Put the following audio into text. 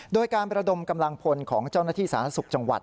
โดยการประดมกำลังพลของเจ้าหน้าที่สาธารณสุขจังหวัด